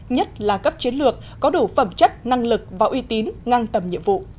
nhất là cấp chiến lược có đủ phẩm chất năng lực và uy tín ngang tầm nhiệm vụ